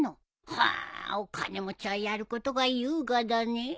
ふんお金持ちはやることが優雅だねえ。